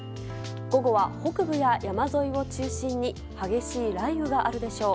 午後は北部や山沿いを中心に激しい雷雨があるでしょう。